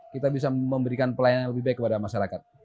kita bisa memberikan pelayanan yang lebih baik kepada masyarakat